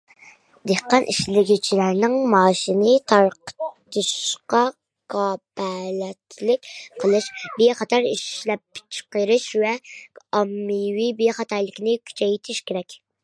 دېھقان ئىشلىگۈچىلەرنىڭ مائاشىنى تارقىتىشقا كاپالەتلىك قىلىش، بىخەتەر ئىشلەپچىقىرىش ۋە ئاممىۋى بىخەتەرلىكنى كۈچەيتىش كېرەك.